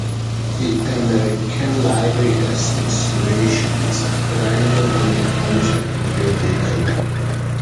Die American Library Association ist die Vereinigung amerikanischer Bibliotheken.